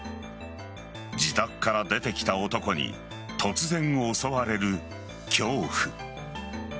自宅から出てきた男に突然襲われる恐怖。